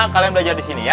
kalian belajar disini ya